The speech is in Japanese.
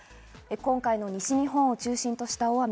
今回の西日本を中心とした大雨。